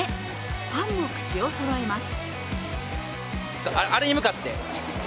ファンも口をそろえます。